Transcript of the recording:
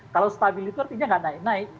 kalau stabil itu artinya nggak naik naik